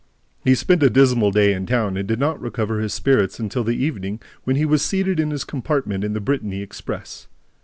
He spent a dismal day in town and did not recover his spirits until the evening, when he was seated in his compartment in the Brittany express.